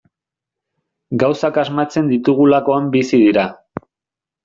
Gauzak asmatzen ditugulakoan bizi dira.